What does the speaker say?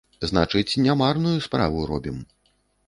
Значыць, не марную справу робім.